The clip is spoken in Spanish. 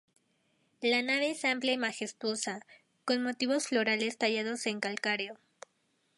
La nave es amplia y majestuosa, con motivos florales tallados en calcáreo.